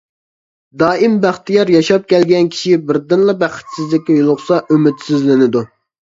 دائىم بەختىيار ياشاپ كەلگەن كىشى بىردىنلا بەختسىزلىككە يولۇقسا، ئۈمىدسىزلىنىدۇ.